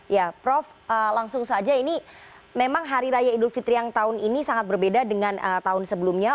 ya prof langsung saja ini memang hari raya idul fitri yang tahun ini sangat berbeda dengan tahun sebelumnya